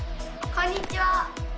こんにちは！